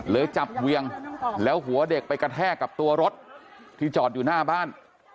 จับเวียงแล้วหัวเด็กไปกระแทกกับตัวรถที่จอดอยู่หน้าบ้าน